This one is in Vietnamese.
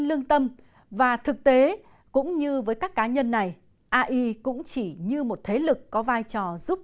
lương tâm và thực tế cũng như với các cá nhân này ai cũng chỉ như một thế lực có vai trò giúp